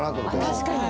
確かに。